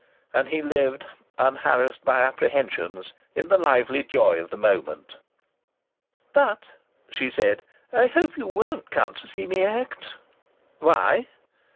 And he lived, unharassed by apprehensions, in the lively joy of the moment. "But," she said, "I hope you won't come to see me act." "Why?"